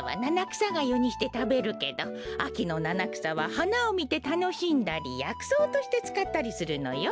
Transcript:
くさがゆにしてたべるけどあきのななくさははなをみてたのしんだりやくそうとしてつかったりするのよ。